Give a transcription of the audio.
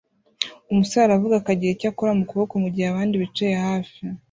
Umusore aravuga akagira icyo akora mukuboko mugihe abandi bicaye hafi ye